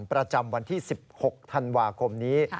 ประจำวันที่๑๖ธันวาคมนี้